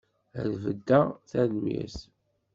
Ad beddeɣ, tanemmirt!